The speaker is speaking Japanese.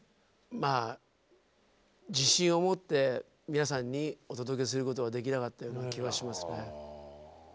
まあ自信を持って皆さんにお届けすることはできなかったような気はしますね。